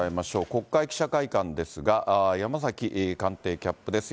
国会記者会館ですが、山崎官邸キャップです。